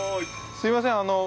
◆すいません。